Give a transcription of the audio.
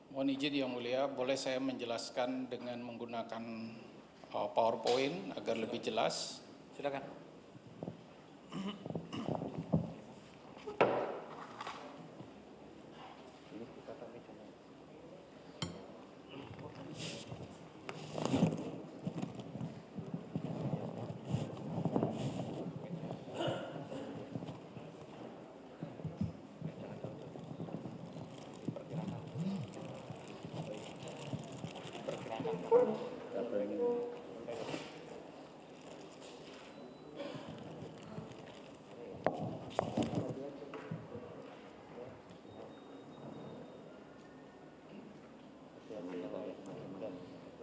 mohon izin yang mulia boleh saya menjelaskan dengan menggunakan powerpoint agar lebih jelas